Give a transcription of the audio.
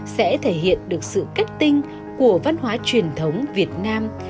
sẽ thể hiện được sự kết tinh của văn hóa truyền thống việt nam